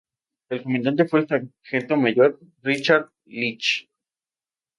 Su comandante fue el sargento mayor Richard Leech.